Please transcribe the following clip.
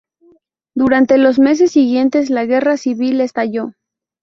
Durante los meses siguientes, la guerra civil estalló.